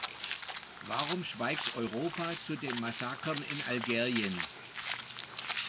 Warum schweigt Europa zu den Massakern in Algerien?